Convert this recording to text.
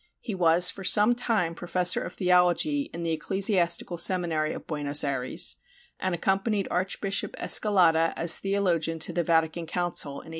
He was for some time professor of theology in the ecclesiastical seminary of Buenos Ayres, and accompanied Archbishop Escalada as theologian to the Vatican Council in 1869.